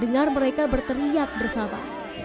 dengar mereka berteriak bersama